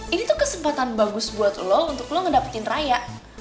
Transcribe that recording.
ini tuh kesempatan bagus buat lo untuk lo ngedapetin raya